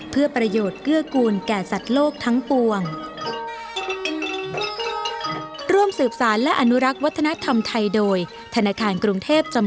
เพื่อประโยชน์เกื้อกูลแก่สัตว์โลกทั้งปวง